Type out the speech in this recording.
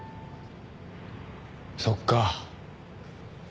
そっか。